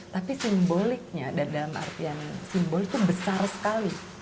tapi simboliknya dan dalam artian simbol itu besar sekali